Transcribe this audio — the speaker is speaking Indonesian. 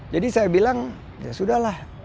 jadi saya bilang ya sudah lah